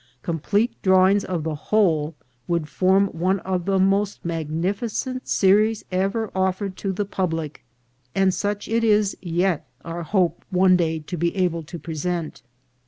Complete drawings of the whole would form one of the most magnificent series ever offered to the public, and such it is yet our hope one day to be able to present.